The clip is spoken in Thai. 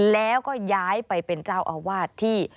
แล้วก็ย้ายไปเป็นเจ้าอาวาสที่